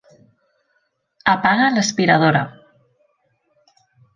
Apaga l'aspiradora.